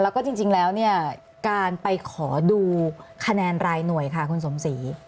แล้วก็จริงแล้วเนี่ยการไปขอดูคะแนนรายหน่วยค่ะคุณสมศรี